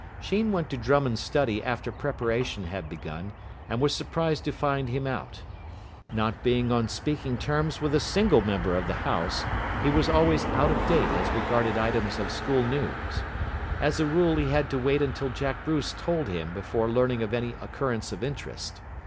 Sheen went to Drummond's study after preparation had begun, and was surprised to find him out. Not being on speaking terms with a single member of the house, he was always out of date as regarded items of school news. As a rule he had to wait until Jack Bruce told him before learning of any occurrence of interest.